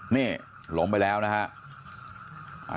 เนี่ยล้มไปแล้วนะครับ